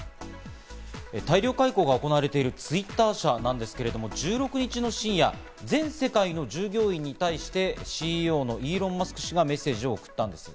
大量解雇が行われているＴｗｉｔｔｅｒ社なんですけれども、１６日の深夜、全世界の従業員に対してＣＥＯのイーロン・マスク氏がメッセージを送ったんです。